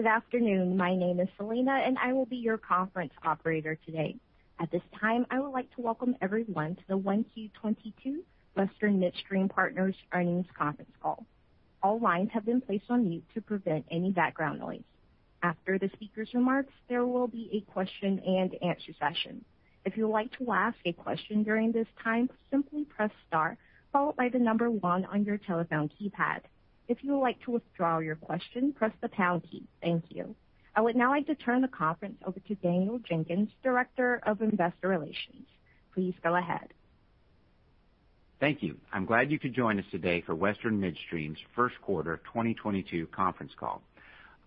Good afternoon. My name is Selena, and I will be your conference operator today. At this time, I would like to welcome everyone to the 1Q 2022 Western Midstream Partners Earnings Conference Call. All lines have been placed on mute to prevent any background noise. After the speaker's remarks, there will be a question-and-answer session. If you would like to ask a question during this time, simply press star followed by the number one on your telephone keypad. If you would like to withdraw your question, press the pound key. Thank you. I would now like to turn the conference over to Daniel Jenkins, Director of Investor Relations. Please go ahead. Thank you. I'm glad you could join us today for Western Midstream's first quarter 2022 conference call.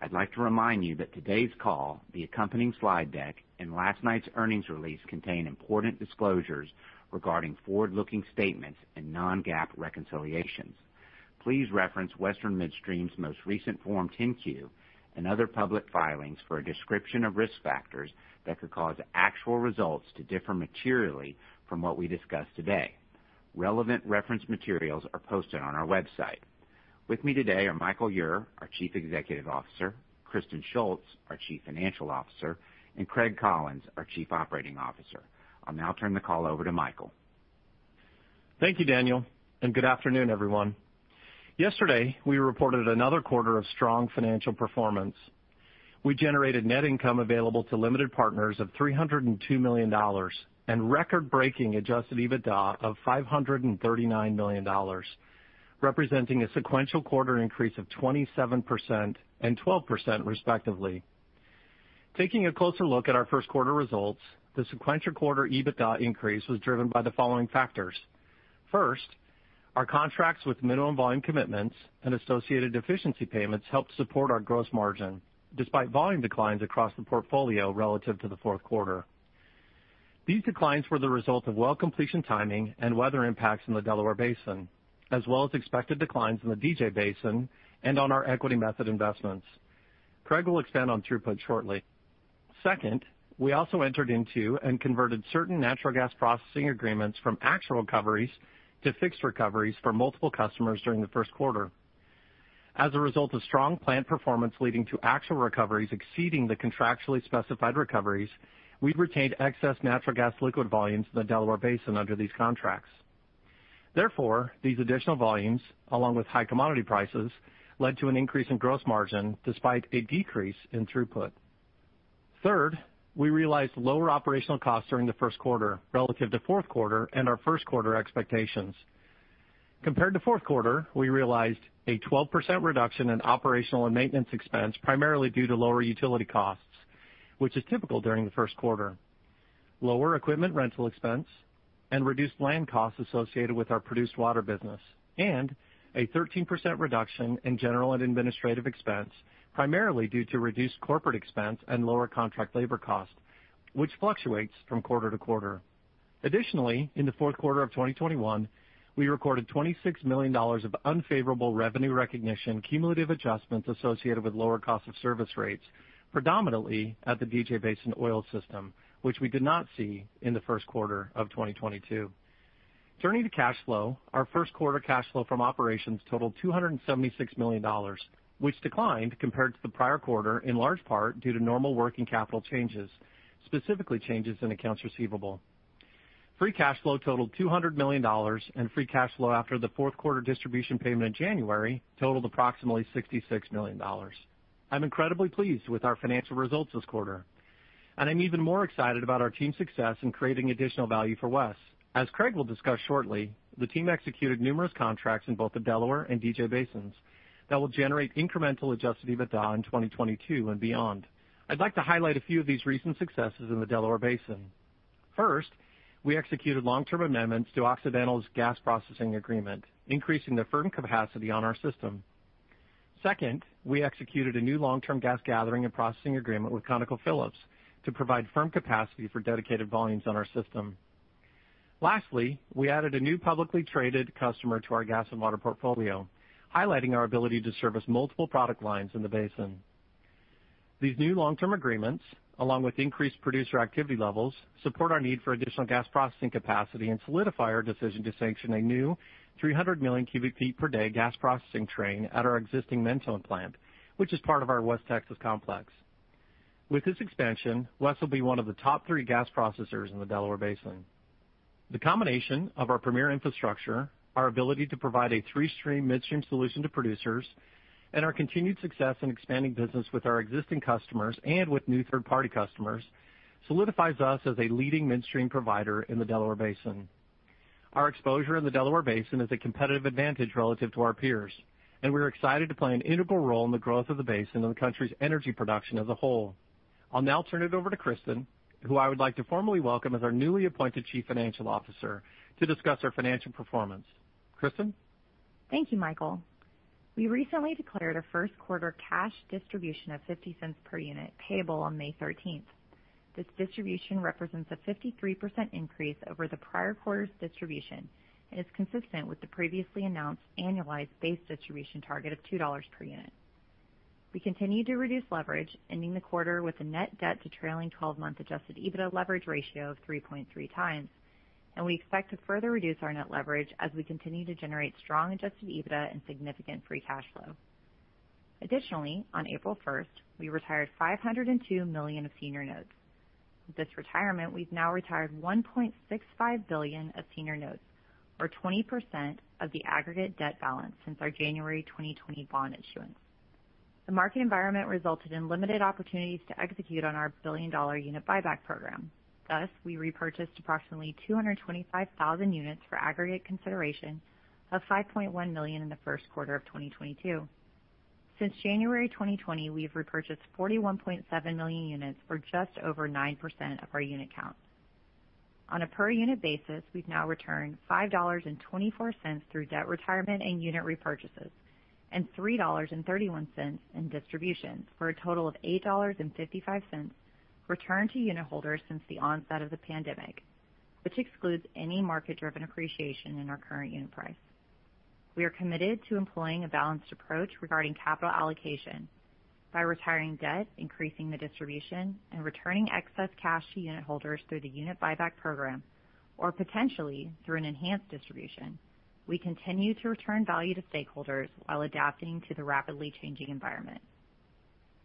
I'd like to remind you that today's call, the accompanying slide deck and last night's earnings release contain important disclosures regarding forward-looking statements and non-GAAP reconciliations. Please reference Western Midstream's most recent Form 10-Q and other public filings for a description of risk factors that could cause actual results to differ materially from what we discuss today. Relevant reference materials are posted on our website. With me today are Michael Ure, our Chief Executive Officer, Kristen Shults, our Chief Financial Officer, and Craig Collins, our Chief Operating Officer. I'll now turn the call over to Michael. Thank you, Daniel, and good afternoon, everyone. Yesterday, we reported another quarter of strong financial performance. We generated net income available to limited partners of $302 million and record-breaking adjusted EBITDA of $539 million, representing a sequential quarter increase of 27% and 12%, respectively. Taking a closer look at our first quarter results, the sequential quarter EBITDA increase was driven by the following factors. First, our contracts with minimum volume commitments and associated deficiency payments helped support our gross margin despite volume declines across the portfolio relative to the fourth quarter. These declines were the result of well completion, timing, and weather impacts in the Delaware Basin, as well as expected declines in the DJ Basin and on our equity method investments. Craig will expand on throughput shortly. Second, we also entered into and converted certain natural gas processing agreements from actual recoveries to fixed recoveries for multiple customers during the first quarter. As a result of strong plant performance leading to actual recoveries exceeding the contractually specified recoveries, we've retained excess natural gas liquid volumes in the Delaware Basin under these contracts. Therefore, these additional volumes, along with high commodity prices, led to an increase in gross margin despite a decrease in throughput. Third, we realized lower operational costs during the first quarter relative to fourth quarter and our first quarter expectations. Compared to fourth quarter, we realized a 12% reduction in operational and maintenance expense, primarily due to lower utility costs, which is typical during the first quarter. Lower equipment rental expense and reduced land costs associated with our produced water business, and a 13% reduction in general and administrative expense, primarily due to reduced corporate expense and lower contract labor cost, which fluctuates from quarter to quarter. Additionally, in the fourth quarter of 2021, we recorded $26 million of unfavorable revenue recognition cumulative adjustments associated with lower cost of service rates, predominantly at the DJ Basin oil system, which we did not see in the first quarter of 2022. Turning to cash flow. Our first quarter cash flow from operations totaled $276 million, which declined compared to the prior quarter in large part due to normal working capital changes, specifically changes in accounts receivable. Free cash flow totaled $200 million and free cash flow after the fourth quarter distribution payment in January totaled approximately $66 million. I'm incredibly pleased with our financial results this quarter, and I'm even more excited about our team's success in creating additional value for WES. As Craig will discuss shortly, the team executed numerous contracts in both the Delaware and DJ Basins that will generate incremental adjusted EBITDA in 2022 and beyond. I'd like to highlight a few of these recent successes in the Delaware Basin. First, we executed long-term amendments to Occidental's gas processing agreement, increasing the firm capacity on our system. Second, we executed a new long-term gas gathering and processing agreement with ConocoPhillips to provide firm capacity for dedicated volumes on our system. Lastly, we added a new publicly traded customer to our gas and water portfolio, highlighting our ability to service multiple product lines in the basin. These new long-term agreements, along with increased producer activity levels, support our need for additional gas processing capacity and solidify our decision to sanction a new 300 million cubic ft per day gas processing train at our existing Mentone plant, which is part of our West Texas complex. With this expansion, WES will be one of the top three gas processors in the Delaware Basin. The combination of our premier infrastructure, our ability to provide a three-stream midstream solution to producers, and our continued success in expanding business with our existing customers and with new third-party customers solidifies us as a leading midstream provider in the Delaware Basin. Our exposure in the Delaware Basin is a competitive advantage relative to our peers, and we're excited to play an integral role in the growth of the basin and the country's energy production as a whole. I'll now turn it over to Kristen, who I would like to formally welcome as our newly appointed Chief Financial Officer to discuss our financial performance. Kristen? Thank you, Michael. We recently declared a first quarter cash distribution of $0.50 per unit payable on May 13th. This distribution represents a 53% increase over the prior quarter's distribution and is consistent with the previously announced annualized base distribution target of $2 per unit. We continue to reduce leverage, ending the quarter with a net debt to trailing 12-month adjusted EBITDA leverage ratio of 3.3x. We expect to further reduce our net leverage as we continue to generate strong adjusted EBITDA and significant free cash flow. Additionally, on April 1st, we retired $502 million of senior notes. This retirement, we've now retired $1.65 billion of senior notes, or 20% of the aggregate debt balance since our January 2020 bond issuance. The market environment resulted in limited opportunities to execute on our billion-dollar unit buyback program. Thus, we repurchased approximately 225,000 units for aggregate consideration of $5.1 million in the first quarter of 2022. Since January 2020, we have repurchased 41.7 million units for just over 9% of our unit count. On a per unit basis, we've now returned $5.24 through debt retirement and unit repurchases, and $3.31 in distributions, for a total of $8.55 returned to unitholders since the onset of the pandemic, which excludes any market-driven appreciation in our current unit price. We are committed to employing a balanced approach regarding capital allocation by retiring debt, increasing the distribution, and returning excess cash to unitholders through the unit buyback program or potentially through an enhanced distribution. We continue to return value to stakeholders while adapting to the rapidly changing environment.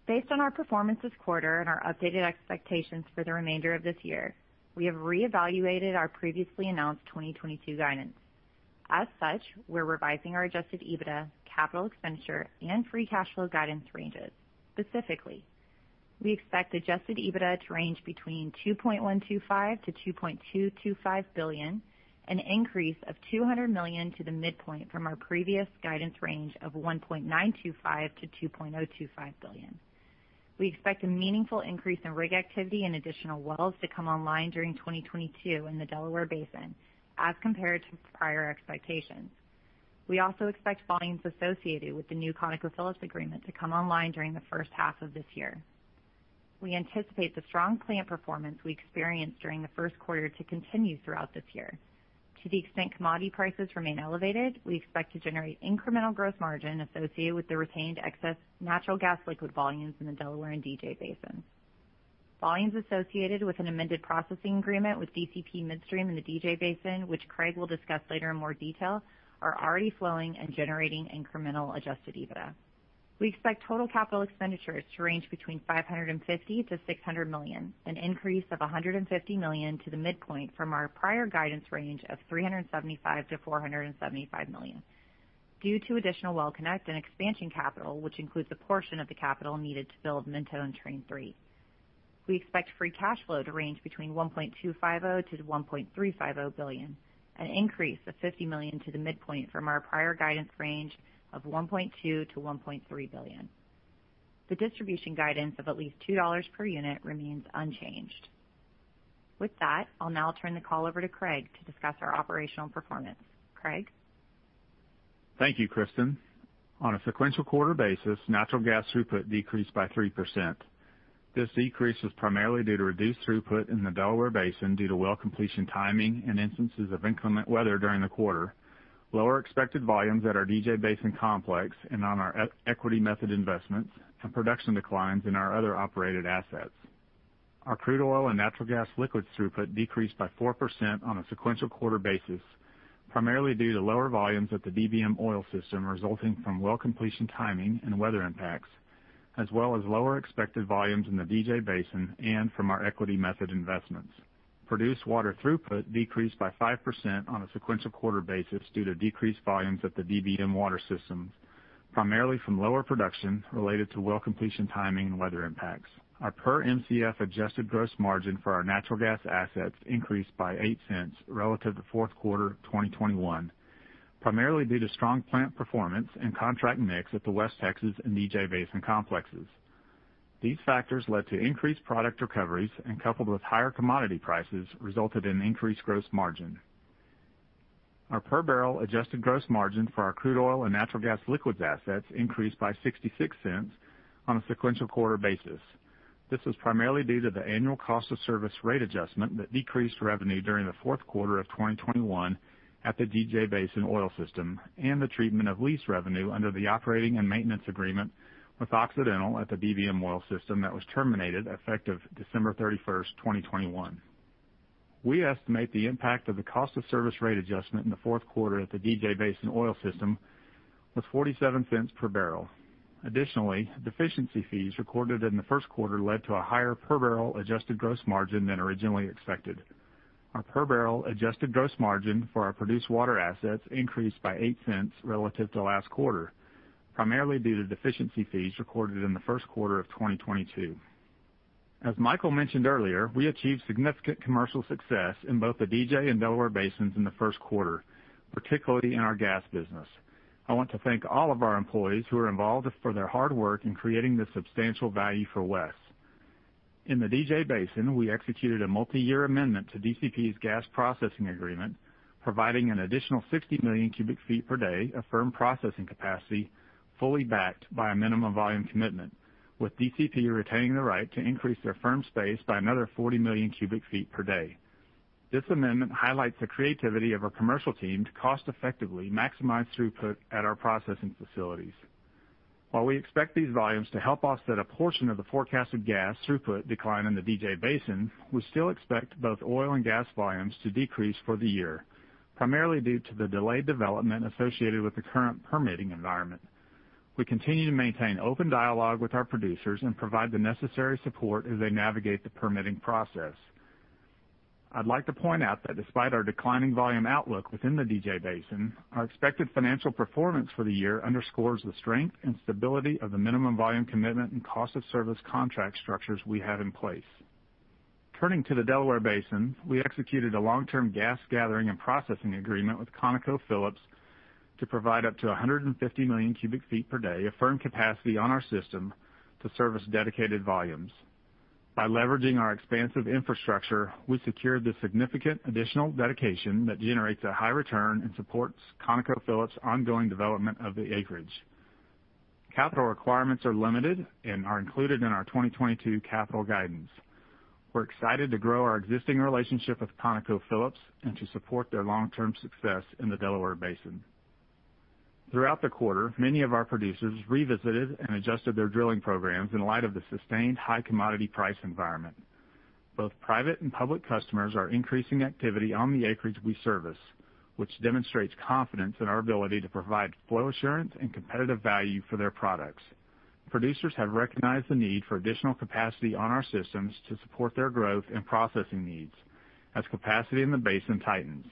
Based on our performance this quarter and our updated expectations for the remainder of this year, we have reevaluated our previously announced 2022 guidance. As such, we're revising our adjusted EBITDA, capital expenditure, and free cash flow guidance ranges. Specifically, we expect adjusted EBITDA to range between $2.125 billion-$2.225 billion, an increase of $200 million to the midpoint from our previous guidance range of $1.925 billion-$2.025 billion. We expect a meaningful increase in rig activity and additional wells to come online during 2022 in the Delaware Basin as compared to prior expectations. We also expect volumes associated with the new ConocoPhillips agreement to come online during the first half of this year. We anticipate the strong plant performance we experienced during the first quarter to continue throughout this year. To the extent commodity prices remain elevated, we expect to generate incremental gross margin associated with the retained excess natural gas liquid volumes in the Delaware and DJ Basins. Volumes associated with an amended processing agreement with DCP Midstream in the DJ Basin, which Craig will discuss later in more detail, are already flowing and generating incremental adjusted EBITDA. We expect total capital expenditures to range between $550-$600 million, an increase of $150 million to the midpoint from our prior guidance range of $375-$475 million due to additional well connect and expansion capital, which includes a portion of the capital needed to build Mentone Train III. We expect free cash flow to range between $1.250-$1.350 billion, an increase of $50 million to the midpoint from our prior guidance range of $1.2-$1.3 billion. The distribution guidance of at least $2 per unit remains unchanged. With that, I'll now turn the call over to Craig to discuss our operational performance. Craig? Thank you, Kristen. On a sequential quarter basis, natural gas throughput decreased by 3%. This decrease was primarily due to reduced throughput in the Delaware Basin due to well completion timing and instances of inclement weather during the quarter. Lower expected volumes at our DJ Basin complex and on our equity method investments and production declines in our other operated assets. Our crude oil and natural gas liquids throughput decreased by 4% on a sequential quarter basis, primarily due to lower volumes at the DBM oil system resulting from well completion timing and weather impacts, as well as lower expected volumes in the DJ Basin and from our equity method investments. Produced water throughput decreased by 5% on a sequential quarter basis due to decreased volumes at the DBM water systems, primarily from lower production related to well completion timing and weather impacts. Our per Mcf adjusted gross margin for our natural gas assets increased by $0.08 relative to fourth quarter of 2021, primarily due to strong plant performance and contract mix at the West Texas and DJ Basin complexes. These factors led to increased product recoveries and, coupled with higher commodity prices, resulted in increased gross margin. Our per barrel adjusted gross margin for our crude oil and natural gas liquids assets increased by $0.66 on a sequential quarter basis. This was primarily due to the annual cost of service rate adjustment that decreased revenue during the fourth quarter of 2021 at the DJ Basin oil system and the treatment of lease revenue under the operating and maintenance agreement with Occidental at the DBM oil system that was terminated effective December 31st, 2021. We estimate the impact of the cost of service rate adjustment in the fourth quarter at the DJ Basin oil system was $0.47 per barrel. Additionally, deficiency fees recorded in the first quarter led to a higher per barrel adjusted gross margin than originally expected. Our per barrel adjusted gross margin for our produced water assets increased by $0.08 relative to last quarter, primarily due to deficiency fees recorded in the first quarter of 2022. As Michael mentioned earlier, we achieved significant commercial success in both the DJ Basin and Delaware Basin in the first quarter, particularly in our gas business. I want to thank all of our employees who are involved for their hard work in creating this substantial value for WES. In the DJ Basin, we executed a multiyear amendment to DCP's gas processing agreement, providing an additional 60 million cubic ft per day of firm processing capacity, fully backed by a minimum volume commitment, with DCP retaining the right to increase their firm space by another 40 million cubic feet per day. This amendment highlights the creativity of our commercial team to cost effectively maximize throughput at our processing facilities. While we expect these volumes to help offset a portion of the forecasted gas throughput decline in the DJ Basin, we still expect both oil and gas volumes to decrease for the year, primarily due to the delayed development associated with the current permitting environment. We continue to maintain open dialogue with our producers and provide the necessary support as they navigate the permitting process. I'd like to point out that despite our declining volume outlook within the DJ Basin, our expected financial performance for the year underscores the strength and stability of the minimum volume commitment and cost of service contract structures we have in place. Turning to the Delaware Basin, we executed a long-term gas gathering and processing agreement with ConocoPhillips to provide up to 150 million cubic ft per day of firm capacity on our system to service dedicated volumes. By leveraging our expansive infrastructure, we secured the significant additional dedication that generates a high return and supports ConocoPhillips' ongoing development of the acreage. Capital requirements are limited and are included in our 2022 capital guidance. We're excited to grow our existing relationship with ConocoPhillips and to support their long-term success in the Delaware Basin. Throughout the quarter, many of our producers revisited and adjusted their drilling programs in light of the sustained high commodity price environment. Both private and public customers are increasing activity on the acreage we service, which demonstrates confidence in our ability to provide flow assurance and competitive value for their products. Producers have recognized the need for additional capacity on our systems to support their growth and processing needs as capacity in the basin tightens.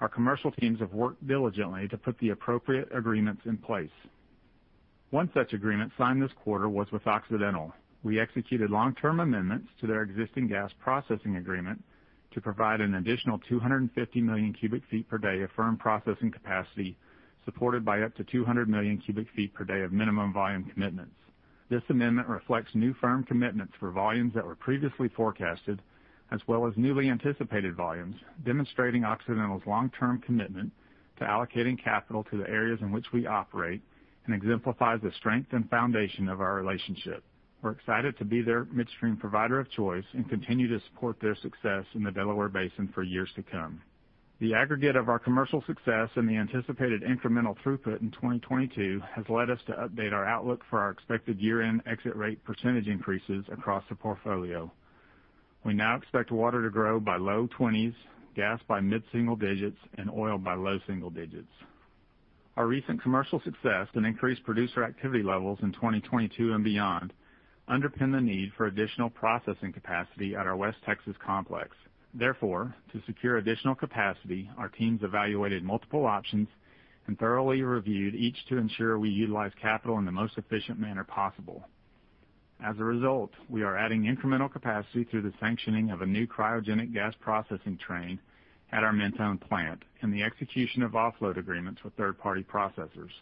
Our commercial teams have worked diligently to put the appropriate agreements in place. One such agreement signed this quarter was with Occidental. We executed long-term amendments to their existing gas processing agreement to provide an additional 250 million cubic ft per day of firm processing capacity, supported by up to 200 million cubic ft per day of minimum volume commitments. This amendment reflects new firm commitments for volumes that were previously forecasted, as well as newly anticipated volumes, demonstrating Occidental's long-term commitment to allocating capital to the areas in which we operate and exemplifies the strength and foundation of our relationship. We're excited to be their midstream provider of choice and continue to support their success in the Delaware Basin for years to come. The aggregate of our commercial success and the anticipated incremental throughput in 2022 has led us to update our outlook for our expected year-end exit rate percentage increases across the portfolio. We now expect water to grow by low 20s%, gas by mid-single digits, and oil by low single digits. Our recent commercial success and increased producer activity levels in 2022 and beyond underpin the need for additional processing capacity at our West Texas complex. Therefore, to secure additional capacity, our teams evaluated multiple options and thoroughly reviewed each to ensure we utilize capital in the most efficient manner possible. As a result, we are adding incremental capacity through the sanctioning of a new cryogenic gas processing train at our Mentone plant and the execution of offload agreements with third-party processors.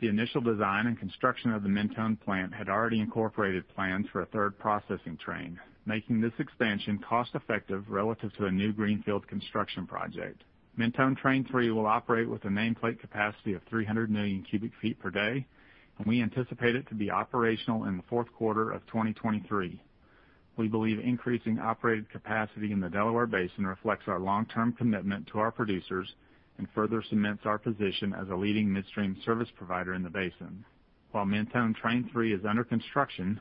The initial design and construction of the Mentone plant had already incorporated plans for a third processing train, making this expansion cost-effective relative to a new greenfield construction project. Mentone Train III will operate with a nameplate capacity of 300 million cubic ft per day, and we anticipate it to be operational in the fourth quarter of 2023. We believe increasing operated capacity in the Delaware Basin reflects our long-term commitment to our producers and further cements our position as a leading midstream service provider in the basin. While Mentone Train III is under construction,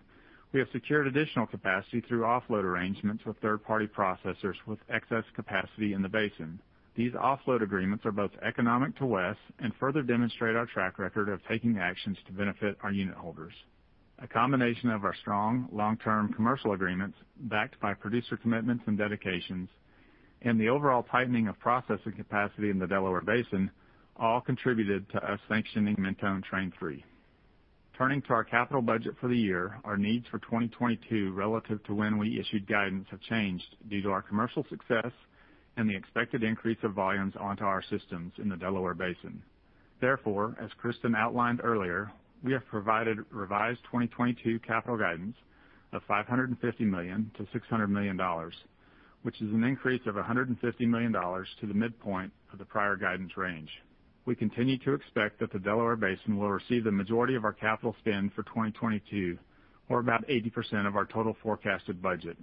we have secured additional capacity through offload arrangements with third-party processors with excess capacity in the basin. These offload agreements are both economic to WES and further demonstrate our track record of taking actions to benefit our unitholders. A combination of our strong long-term commercial agreements, backed by producer commitments and dedications, and the overall tightening of processing capacity in the Delaware Basin all contributed to us sanctioning Mentone Train III. Turning to our capital budget for the year, our needs for 2022 relative to when we issued guidance have changed due to our commercial success and the expected increase of volumes onto our systems in the Delaware Basin. Therefore, as Kristen outlined earlier, we have provided revised 2022 capital guidance of $550 million-$600 million, which is an increase of $150 million to the midpoint of the prior guidance range. We continue to expect that the Delaware Basin will receive the majority of our capital spend for 2022, or about 80% of our total forecasted budget.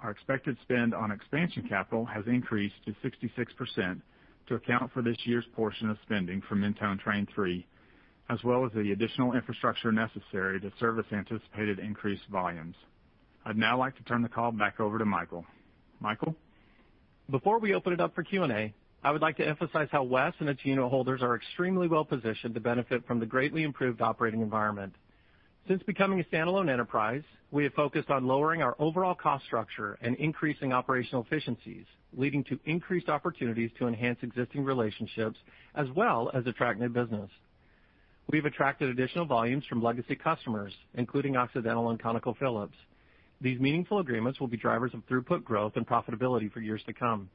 Our expected spend on expansion capital has increased to 66% to account for this year's portion of spending for Mentone Train III, as well as the additional infrastructure necessary to service anticipated increased volumes. I'd now like to turn the call back over to Michael. Michael? Before we open it up for Q&A, I would like to emphasize how WES and its unitholders are extremely well-positioned to benefit from the greatly improved operating environment. Since becoming a standalone enterprise, we have focused on lowering our overall cost structure and increasing operational efficiencies, leading to increased opportunities to enhance existing relationships as well as attract new business. We've attracted additional volumes from legacy customers, including Occidental and ConocoPhillips. These meaningful agreements will be drivers of throughput growth and profitability for years to come.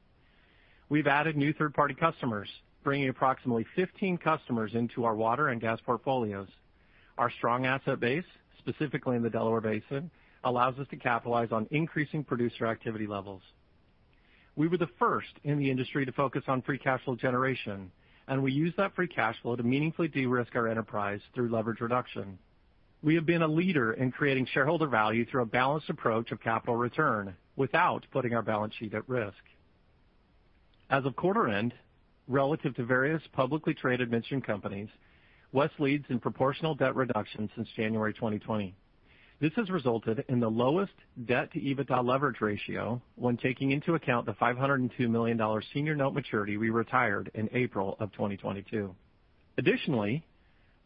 We've added new third-party customers, bringing approximately 15 customers into our water and gas portfolios. Our strong asset base, specifically in the Delaware Basin, allows us to capitalize on increasing producer activity levels. We were the first in the industry to focus on free cash flow generation, and we used that free cash flow to meaningfully de-risk our enterprise through leverage reduction. We have been a leader in creating shareholder value through a balanced approach of capital return without putting our balance sheet at risk. As of quarter end, relative to various publicly traded midstream companies, WES leads in proportional debt reduction since January 2020. This has resulted in the lowest debt-to-EBITDA leverage ratio when taking into account the $502 million senior note maturity we retired in April of 2022. Additionally,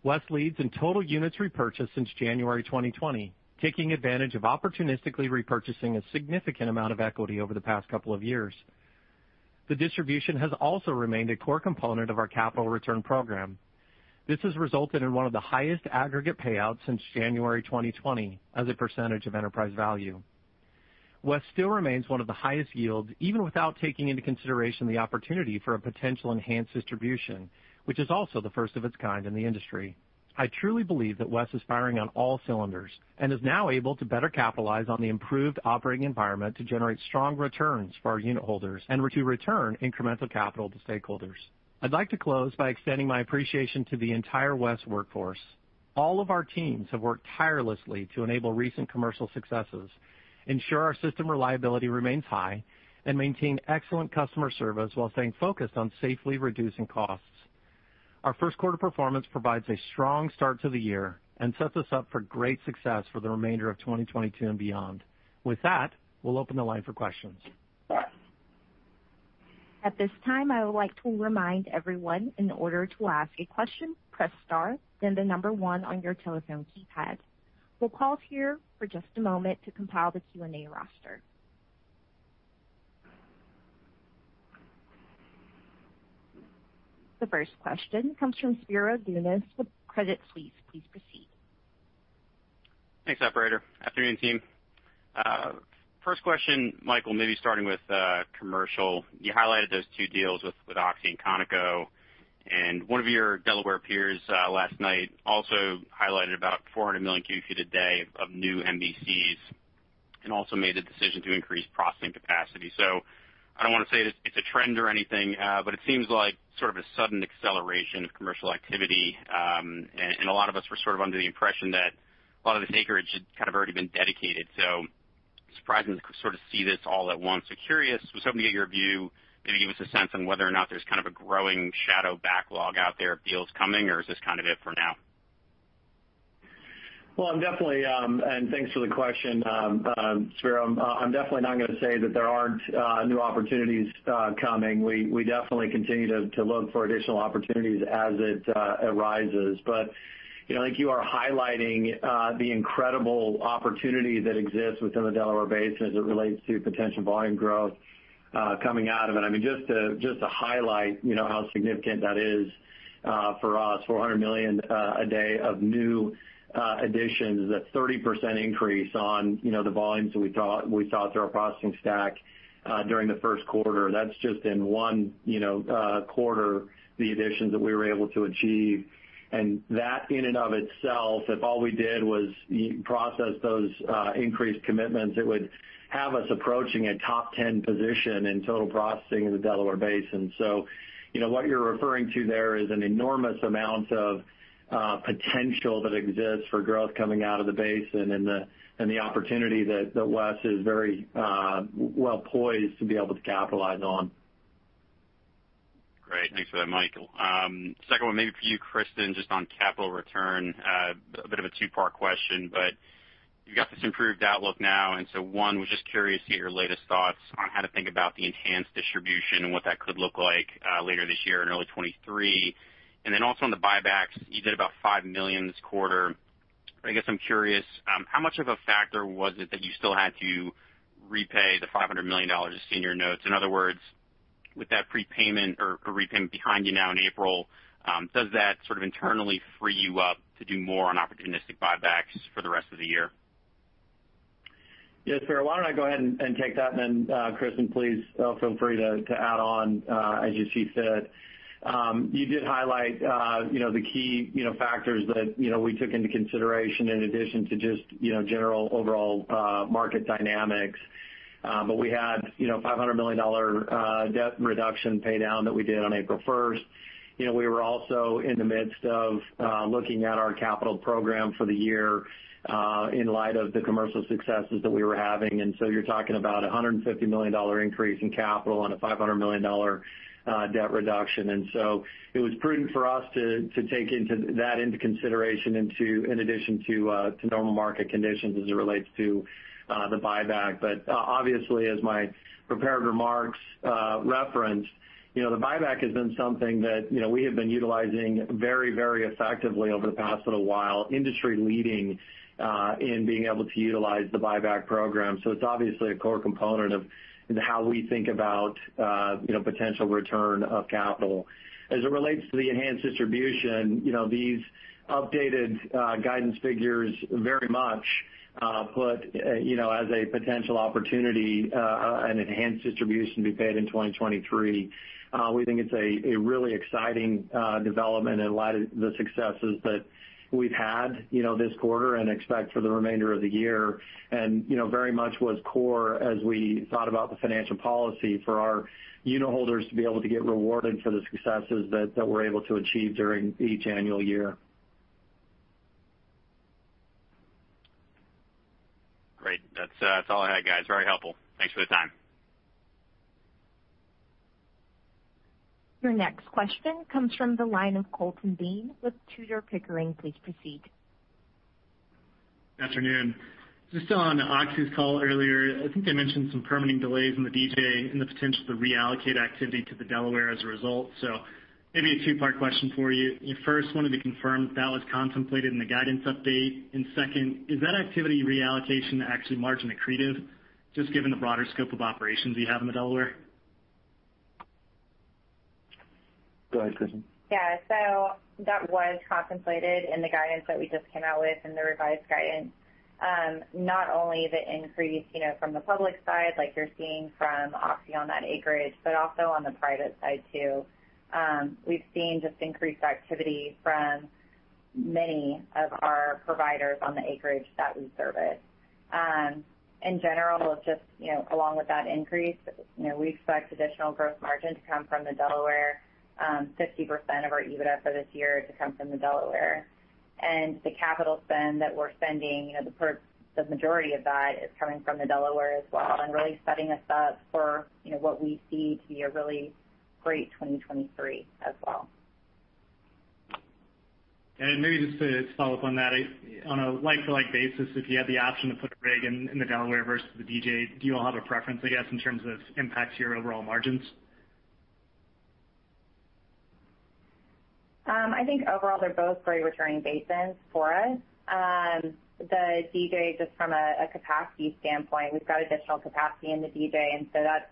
WES leads in total units repurchased since January 2020, taking advantage of opportunistically repurchasing a significant amount of equity over the past couple of years. The distribution has also remained a core component of our capital return program. This has resulted in one of the highest aggregate payouts since January 2020 as a percentage of enterprise value. WES still remains one of the highest yields, even without taking into consideration the opportunity for a potential enhanced distribution, which is also the first of its kind in the industry. I truly believe that WES is firing on all cylinders and is now able to better capitalize on the improved operating environment to generate strong returns for our unitholders and to return incremental capital to stakeholders. I'd like to close by extending my appreciation to the entire WES workforce. All of our teams have worked tirelessly to enable recent commercial successes, ensure our system reliability remains high, and maintain excellent customer service while staying focused on safely reducing costs. Our first quarter performance provides a strong start to the year and sets us up for great success for the remainder of 2022 and beyond. With that, we'll open the line for questions. At this time, I would like to remind everyone in order to ask a question, press star then the number one on your telephone keypad. We'll pause here for just a moment to compile the Q&A roster. The first question comes from Spiro Dounis with Credit Suisse. Please proceed. Thanks, operator. Afternoon, team. First question, Michael, maybe starting with commercial. You highlighted those two deals with Oxy and ConocoPhillips, and one of your Delaware peers last night also highlighted about 400 million cubic ft a day of new MVCs and also made the decision to increase processing capacity. I don't wanna say it's a trend or anything, but it seems like sort of a sudden acceleration of commercial activity. A lot of us were sort of under the impression that a lot of this acreage had kind of already been dedicated. Surprising to sort of see this all at once. Curious, was hoping to get your view, maybe give us a sense on whether or not there's kind of a growing shadow backlog out there of deals coming, or is this kind of it for now? Well, I'm definitely. Thanks for the question, Spiro. I'm definitely not gonna say that there aren't new opportunities coming. We definitely continue to look for additional opportunities as it arises. You know, I think you are highlighting the incredible opportunity that exists within the Delaware Basin as it relates to potential volume growth coming out of it. I mean, just to highlight, you know, how significant that is for us, 400 million a day of new additions is a 30% increase on, you know, the volumes that we thought we saw through our processing stack during the first quarter. That's just in one, you know, quarter the additions that we were able to achieve. That in and of itself, if all we did was process those increased commitments, it would have us approaching a top 10 position in total processing in the Delaware Basin. You know, what you're referring to there is an enormous amount of potential that exists for growth coming out of the basin and the opportunity that WES is very well poised to be able to capitalize on. Great. Thanks for that, Michael. Second one maybe for you, Kristen, just on capital return. A bit of a two-part question, but you've got this improved outlook now, and so one, was just curious to get your latest thoughts on how to think about the enhanced distribution and what that could look like, later this year and early 2023. And then also on the buybacks, you did about $5 million this quarter. I guess I'm curious, how much of a factor was it that you still had to repay the $500 million of senior notes? In other words, with that prepayment or repayment behind you now in April, does that sort of internally free you up to do more on opportunistic buybacks for the rest of the year? Yes, Spiro. Why don't I go ahead and take that, and then, Kristen, please, feel free to add on, as you see fit. You did highlight, you know, the key, you know, factors that, you know, we took into consideration in addition to just, you know, general overall, market dynamics. We had, you know, $500 million debt reduction paydown that we did on April first. You know, we were also in the midst of looking at our capital program for the year, in light of the commercial successes that we were having, and so you're talking about a $150 million increase in capital on a $500 million debt reduction. It was prudent for us to take that into consideration in addition to normal market conditions as it relates to the buyback. Obviously, as my prepared remarks referenced, you know, the buyback has been something that, you know, we have been utilizing very, very effectively over the past little while, industry-leading in being able to utilize the buyback program. It's obviously a core component of how we think about, you know, potential return of capital. As it relates to the enhanced distribution, you know, these updated guidance figures very much put you know as a potential opportunity an enhanced distribution be paid in 2023. We think it's a really exciting development in light of the successes that we've had, you know, this quarter and expect for the remainder of the year. You know, very much was core as we thought about the financial policy for our unitholders to be able to get rewarded for the successes that we're able to achieve during each annual year. That's all I had, guys. Very helpful. Thanks for the time. Your next question comes from the line of Colton Bean with Tudor, Pickering. Please proceed. Good afternoon. Just still on Oxy's call earlier. I think they mentioned some permitting delays in the DJ and the potential to reallocate activity to the Delaware as a result. Maybe a two-part question for you. I first wanted to confirm that was contemplated in the guidance update. Second, is that activity reallocation actually margin accretive just given the broader scope of operations you have in the Delaware? Go ahead, Kristen. Yeah. That was contemplated in the guidance that we just came out with in the revised guidance. Not only the increase, you know, from the public side like you're seeing from Oxy on that acreage, but also on the private side too. We've seen just increased activity from many of our providers on the acreage that we service. In general, just, you know, along with that increase, you know, we expect additional gross margin to come from the Delaware, 50% of our EBITDA for this year to come from the Delaware. The capital spend that we're spending, you know, the majority of that is coming from the Delaware as well and really setting us up for, you know, what we see to be a really great 2023 as well. Maybe just to follow up on that. On a like-for-like basis, if you had the option to put a rig in the Delaware versus the DJ, do you all have a preference, I guess, in terms of impact to your overall margins? I think overall they're both very returning basins for us. The DJ, just from a capacity standpoint, we've got additional capacity in the DJ, and so that's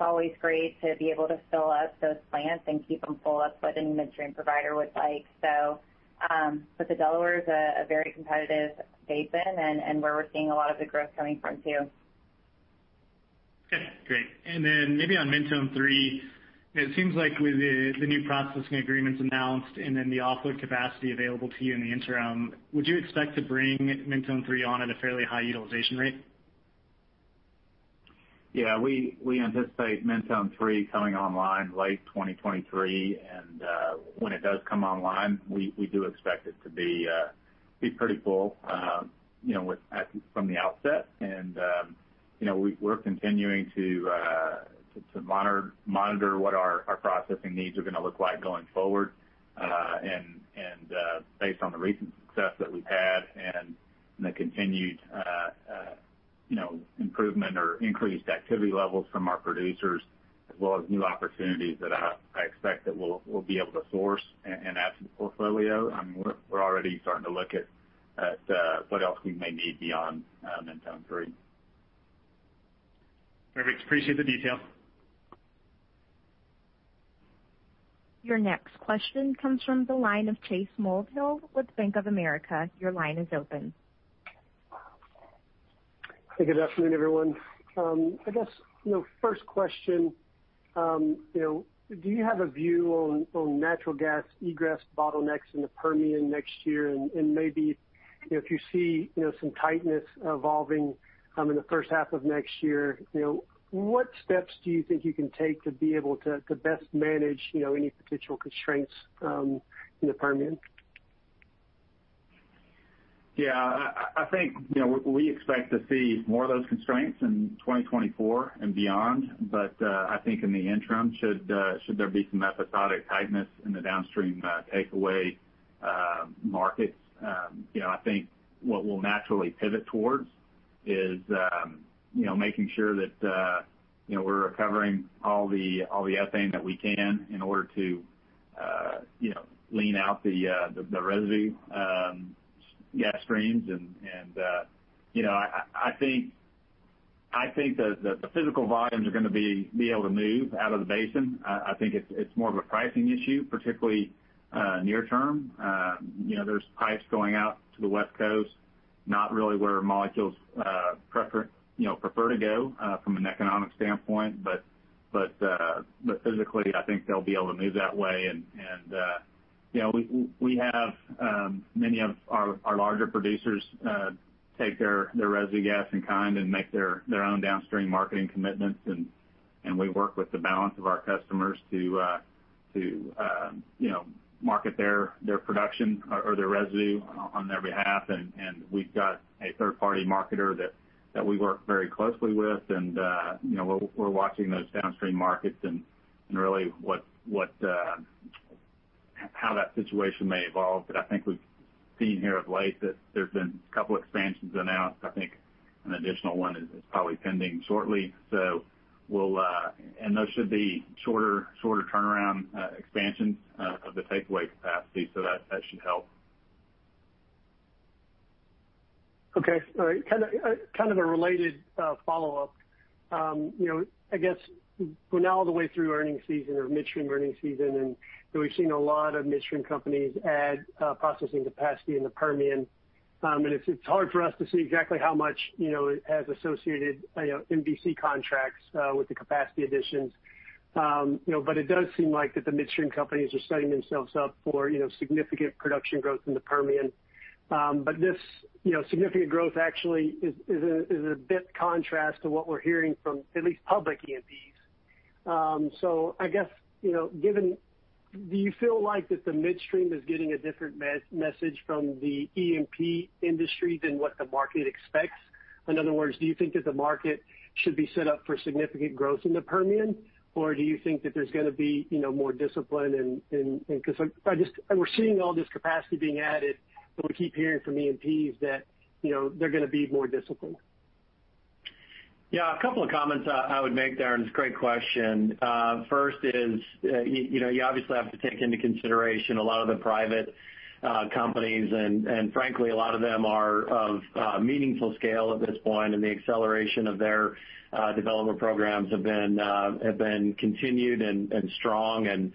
always great to be able to fill up those plants and keep them full, what a midstream provider would like. The Delaware is a very competitive basin and where we're seeing a lot of the growth coming from too. Okay, great. Maybe on Mentone Train III, it seems like with the new processing agreements announced and then the offload capacity available to you in the interim, would you expect to bring Mentone Train III on at a fairly high utilization rate? Yeah. We anticipate Mentone Three coming online late 2023. When it does come online, we do expect it to be pretty full, you know, from the outset. You know, we're continuing to monitor what our processing needs are gonna look like going forward. You know, based on the recent success that we've had and the continued improvement or increased activity levels from our producers as well as new opportunities that I expect that we'll be able to source an asset portfolio. I mean, we're already starting to look at what else we may need beyond Mentone III. Perfect. Appreciate the detail. Your next question comes from the line of Chase Mulvehill with Bank of America. Your line is open. Hey, good afternoon, everyone. I guess, you know, first question, you know, do you have a view on natural gas egress bottlenecks in the Permian next year? Maybe, you know, if you see, you know, some tightness evolving in the first half of next year, you know, what steps do you think you can take to be able to best manage, you know, any potential constraints in the Permian? Yeah. I think, you know, we expect to see more of those constraints in 2024 and beyond. I think in the interim, should there be some episodic tightness in the downstream takeaway markets, you know, I think what we'll naturally pivot towards is, you know, making sure that, you know, we're recovering all the ethane that we can in order to, you know, lean out the residue gas streams. I think that the physical volumes are gonna be able to move out of the basin. I think it's more of a pricing issue, particularly near term. You know, there's price going out to the West Coast, not really where molecules prefer, you know, prefer to go from an economic standpoint. Physically, I think they'll be able to move that way. You know, we have many of our larger producers take their residue gas in kind and make their own downstream marketing commitments. We work with the balance of our customers to, you know, market their production or their residue on their behalf. We've got a third-party marketer that we work very closely with. You know, we're watching those downstream markets and really what how that situation may evolve. I think we've seen here of late that there's been a couple expansions announced. I think an additional one is probably pending shortly. We'll and those should be shorter turnaround expansions of the takeaway capacity. That should help. Okay. All right. Kind of a related follow-up. You know, I guess we're now all the way through earnings season or midstream earnings season, and you know, we've seen a lot of midstream companies add processing capacity in the Permian. It's hard for us to see exactly how much, you know, it has associated MVC contracts with the capacity additions. You know, but it does seem like the midstream companies are setting themselves up for significant production growth in the Permian. But this significant growth actually is a bit of a contrast to what we're hearing from at least public E&Ps. I guess, you know, do you feel like the midstream is getting a different message from the E&P industry than what the market expects? In other words, do you think that the market should be set up for significant growth in the Permian, or do you think that there's gonna be, you know, more discipline. We're seeing all this capacity being added, but we keep hearing from E&Ps that, you know, they're gonna be more disciplined. Yeah. A couple of comments I would make, [Chase]. It's a great question. First is, you know, you obviously have to take into consideration a lot of the private companies. Frankly, a lot of them are of meaningful scale at this point, and the acceleration of their development programs have been continued and strong and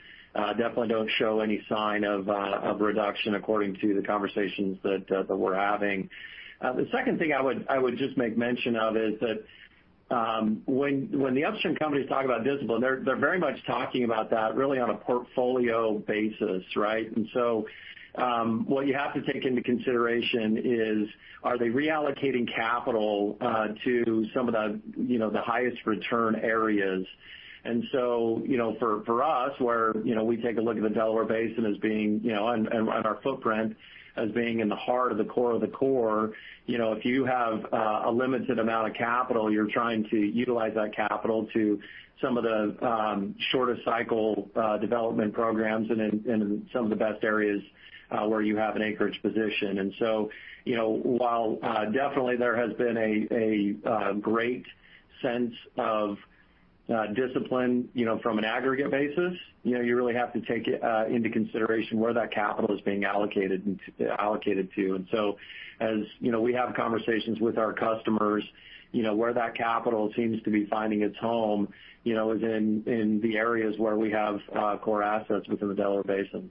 definitely don't show any sign of reduction according to the conversations that we're having. The second thing I would just make mention of is that, when the upstream companies talk about discipline, they're very much talking about that really on a portfolio basis, right? What you have to take into consideration is, are they reallocating capital to some of the, you know, the highest return areas. You know, for us, where you know, we take a look at the Delaware Basin as being, you know, and our footprint, as being in the heart of the core of the core, you know, if you have a limited amount of capital, you're trying to utilize that capital to some of the shorter cycle development programs and in some of the best areas where you have an anchor position. You know, while definitely there has been a great sense of discipline, you know, from an aggregate basis, you know, you really have to take into consideration where that capital is being allocated to. As you know, we have conversations with our customers, you know, where that capital seems to be finding its home, you know, is in the areas where we have core assets within the Delaware Basin.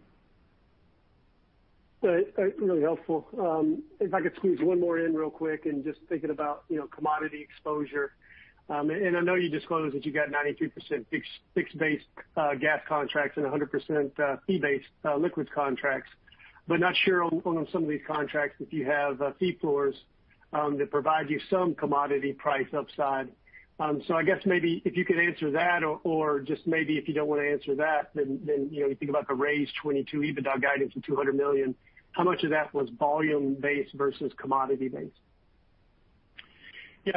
Right. Really helpful. If I could squeeze one more in real quick and just thinking about, you know, commodity exposure. I know you disclosed that you got 92% fixed-based gas contracts and 100% fee-based liquids contracts, but not sure on some of these contracts if you have fee floors that provide you some commodity price upside. So I guess maybe if you could answer that or just maybe if you don't wanna answer that, then you know, you think about the raised 2022 EBITDA guidance of $200 million, how much of that was volume-based versus commodity-based? Yeah.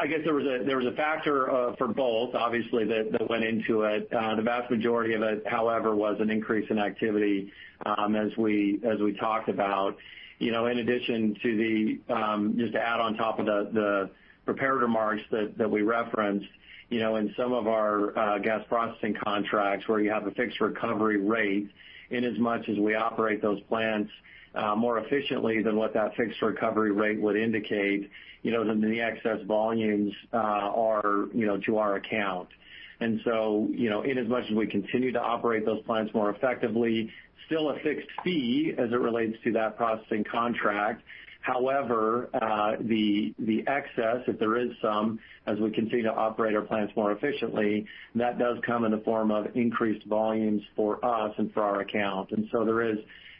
I guess there was a factor for both obviously that went into it. The vast majority of it, however, was an increase in activity as we talked about. You know, in addition to the just to add on top of the processor margins that we referenced, you know, in some of our gas processing contracts where you have a fixed recovery rate, in as much as we operate those plants more efficiently than what that fixed recovery rate would indicate, you know, then the excess volumes are to our account. You know, in as much as we continue to operate those plants more effectively, still a fixed fee as it relates to that processing contract. However, the excess, if there is some, as we continue to operate our plants more efficiently, that does come in the form of increased volumes for us and for our account. There is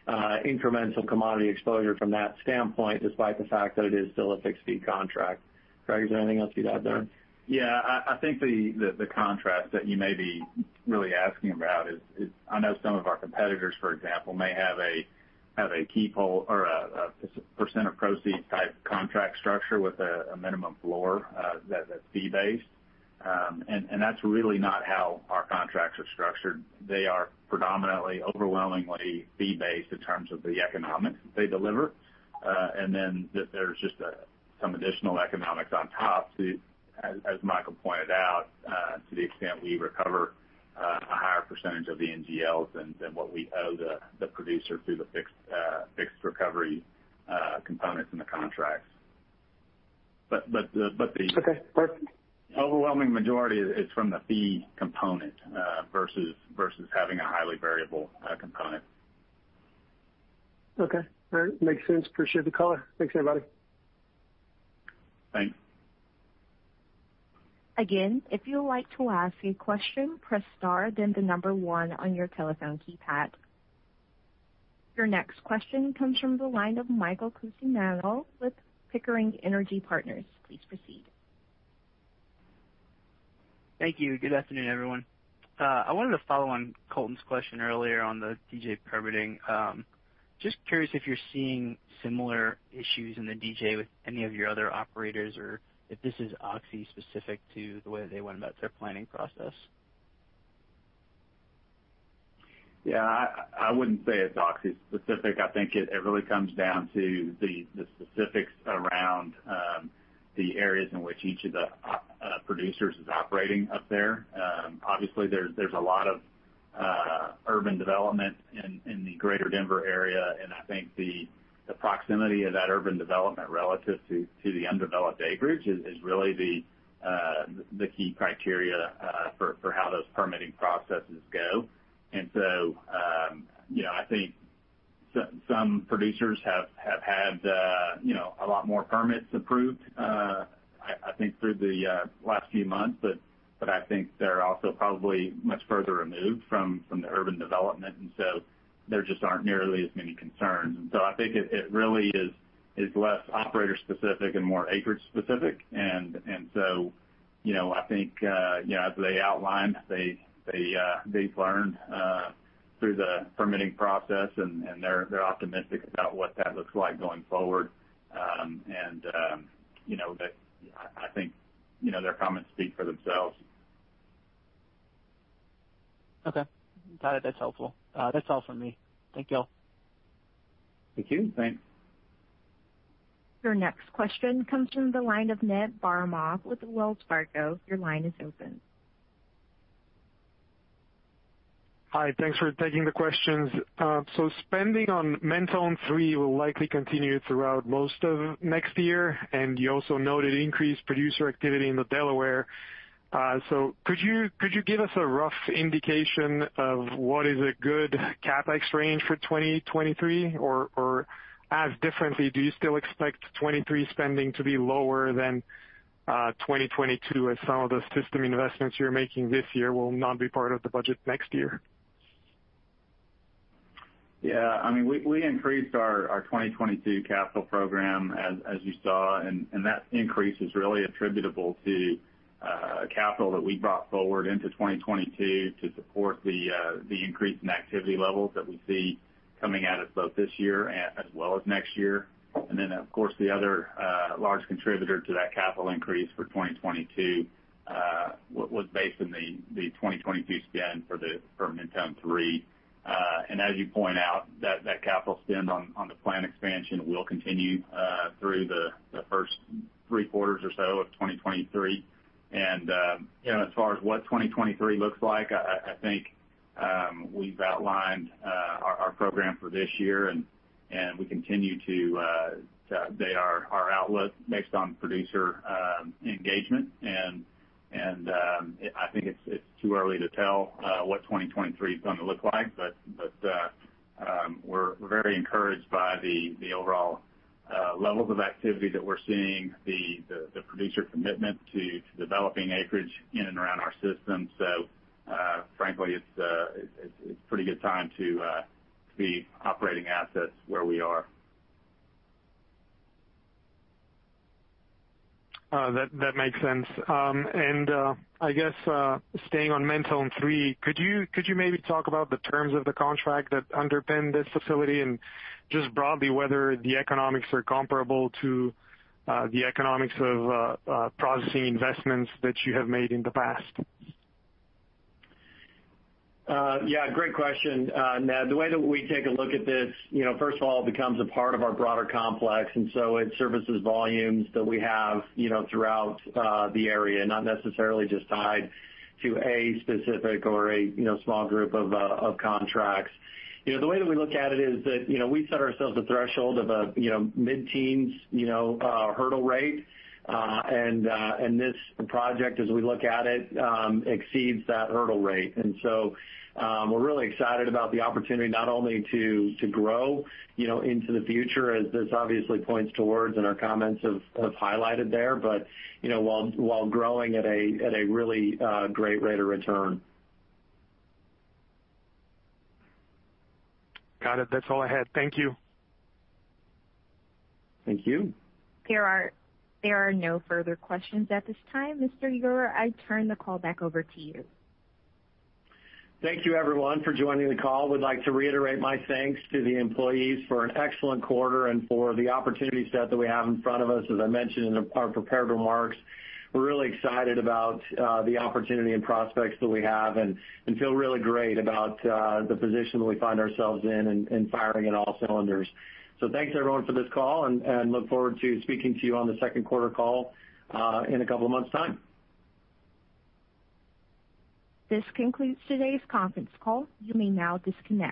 incremental commodity exposure from that standpoint, despite the fact that it is still a fixed fee contract. Craig, is there anything else you'd add there? Yeah. I think the contrast that you may be really asking about is I know some of our competitors, for example, may have a keep-whole or a percent of proceeds type contract structure with a minimum floor that's fee-based. That's really not how our contracts are structured. They are predominantly, overwhelmingly fee-based in terms of the economics they deliver. There's just some additional economics on top, as Michael pointed out, to the extent we recover a higher percentage of the NGLs than what we owe the producer through the fixed recovery components in the contracts. But the- Okay. Perfect. Overwhelming majority is from the fee component, versus having a highly variable component. Okay. All right. Makes sense. Appreciate the color. Thanks, everybody. Thanks. Again, if you'd like to ask a question, press star then the number one on your telephone keypad. Your next question comes from the line of Michael Cusimano with Pickering Energy Partners. Please proceed. Thank you. Good afternoon, everyone. I wanted to follow on Colton's question earlier on the DJ permitting. Just curious if you're seeing similar issues in the DJ with any of your other operators or if this is Oxy specific to the way they went about their planning process? Yeah. I wouldn't say it's Oxy specific. I think it really comes down to the specifics around the areas in which each of the producers is operating up there. Obviously, there's a lot of urban development in the greater Denver area, and I think the proximity of that urban development relative to the undeveloped acreage is really the key criteria for how those permitting processes go. You know, I think some producers have had, you know, a lot more permits approved. I think through the last few months. But I think they're also probably much further removed from the urban development, and so there just aren't nearly as many concerns. I think it really is less operator specific and more acreage specific. You know, I think, you know, as they outlined, they've learned through the permitting process and they're optimistic about what that looks like going forward. You know, that I think, you know, their comments speak for themselves. Okay. Got it. That's helpful. That's all for me. Thank y'all. Thank you. Thanks. Your next question comes from the line of Ned Baramov with Wells Fargo. Your line is open. Hi, thanks for taking the questions. Spending on Mentone III will likely continue throughout most of next year, and you also noted increased producer activity in the Delaware. Could you give us a rough indication of what is a good CapEx range for 2023? Or asked differently, do you still expect 2023 spending to be lower than 2022 as some of the system investments you're making this year will not be part of the budget next year? Yeah, I mean, we increased our 2022 capital program as you saw, and that increase is really attributable to capital that we brought forward into 2022 to support the increase in activity levels that we see coming at us both this year as well as next year. Of course, the other large contributor to that capital increase for 2022 was based on the 2022 spend for the Mentone Train III. As you point out, that capital spend on the plant expansion will continue through the first three quarters or so of 2023. You know, as far as what 2023 looks like, I think we've outlined our program for this year and we continue to update our outlook based on producer engagement. I think it's too early to tell what 2023 is gonna look like. We're very encouraged by the overall levels of activity that we're seeing, the producer commitment to developing acreage in and around our system. Frankly, it's a pretty good time to be operating assets where we are. That makes sense. I guess staying on Mentone Train III, could you maybe talk about the terms of the contract that underpin this facility and just broadly whether the economics are comparable to the economics of processing investments that you have made in the past? Yeah, great question, Ned. The way that we take a look at this, you know, first of all, it becomes a part of our broader complex, and so it services volumes that we have, you know, throughout the area, not necessarily just tied to a specific or a small group of contracts. You know, the way that we look at it is that, you know, we set ourselves a threshold of a mid-teens hurdle rate. This project, as we look at it, exceeds that hurdle rate. We're really excited about the opportunity not only to grow, you know, into the future, as this obviously points towards and our comments have highlighted there, but, you know, while growing at a really great rate of return. Got it. That's all I had. Thank you. Thank you. There are no further questions at this time. Mr. Ure, I turn the call back over to you. Thank you everyone for joining the call. Would like to reiterate my thanks to the employees for an excellent quarter and for the opportunity set that we have in front of us. As I mentioned in our prepared remarks, we're really excited about the opportunity and prospects that we have and feel really great about the position that we find ourselves in and firing on all cylinders. Thanks everyone for this call and look forward to speaking to you on the second quarter call in a couple of months' time. This concludes today's conference call. You may now disconnect.